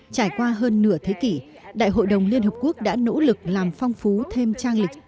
trải qua hơn nửa thế kỷ đại hội đồng liên hợp quốc đã nỗ lực làm phong phú thêm trang lịch